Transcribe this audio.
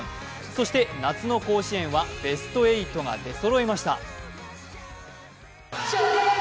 そして夏の甲子園はベスト８が出そろいました。